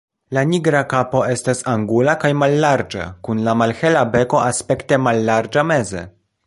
La nigra kapo estas angula kaj mallarĝa kun la malhela beko aspekte mallarĝa meze.